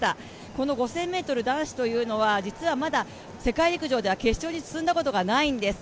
この５０００ｍ男子というのは、実はまだ世界陸上では決勝に進んだことがないんです。